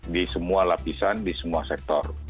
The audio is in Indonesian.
di semua lapisan di semua sektor